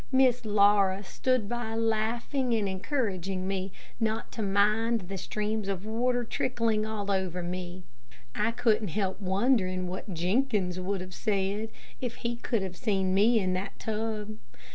Miss Laura stood by laughing and encouraging me not to mind the streams of water trickling all over me. I couldn't help wondering what Jenkins would have said if he could have seen me in that tub.